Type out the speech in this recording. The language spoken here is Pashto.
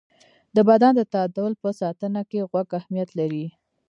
د بدن د تعادل په ساتنه کې غوږ اهمیت لري.